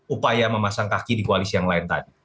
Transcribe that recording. upaya memasang kaki di koalisi yang lain tadi